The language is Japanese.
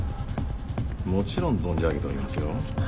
もちろん存じ上げておりますよ。